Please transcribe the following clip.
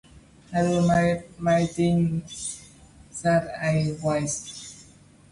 I don't mind admitting that I winced.